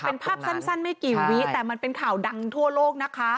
เป็นภาพสั้นไม่กี่วิแต่มันเป็นข่าวดังทั่วโลกนะคะ